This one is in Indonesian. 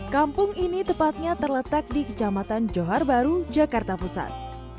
kampung ini tepatnya terletak di kecamatan johar baru jakarta pusat